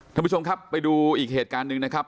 ท่านผู้ชมครับไปดูอีกเหตุการณ์หนึ่งนะครับ